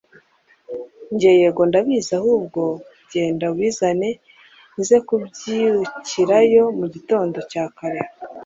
njye yego ndahazi ahubwo genda ubizane nze kubyukirayo mugitondo cya kare